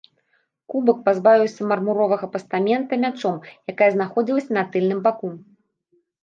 Кубак пазбавіўся мармуровага пастамента мячом, якая знаходзілася на тыльным баку.